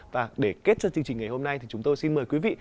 và để kết cho chương trình ngày hôm nay thì chúng tôi xin mời quý vị